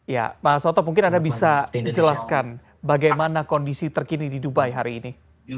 ya mas hotop mungkin anda bisa menjelaskan bagaimana kondisi terkini di dubai hari ini